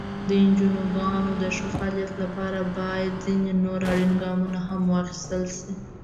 د انجوګانو د ښه فعالیت لپاره باید ځینې نور اړین ګامونه هم واخیستل شي.